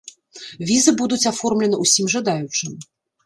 Візы будуць аформлены ўсім жадаючым!